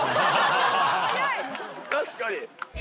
確かに！